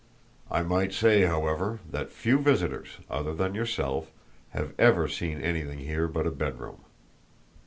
I might say, however, that few visitors, other than yourself, have ever seen anything here but a bedroom."